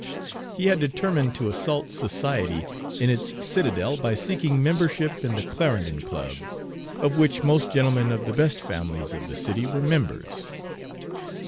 He had determined to assault society in its citadel by seeking membership in the Clarendon Club, of which most gentlemen of the best families of the city were members.